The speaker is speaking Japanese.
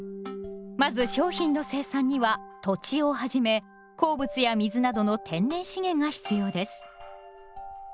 まず商品の生産には土地をはじめ鉱物や水などの天然資源が必要です。